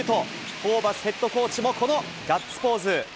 ホーバスヘッドコーチもこのガッツポーズ。